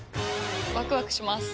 ワクワクします。